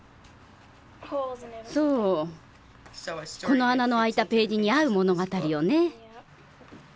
そうこの穴のあいたページに合う物語をねえ。